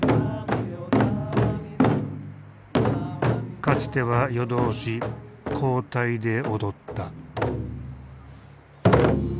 かつては夜通し交代で踊った。